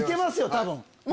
多分。